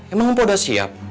emang mpok udah siap